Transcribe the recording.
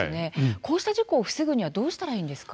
こうした事故を防ぐにはどうしたらいいんでしょうか。